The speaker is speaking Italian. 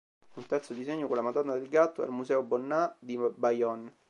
Un terzo disegno con la "Madonna del gatto" è al Museo Bonnat di Bayonne.